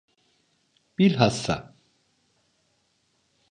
Bilhassa!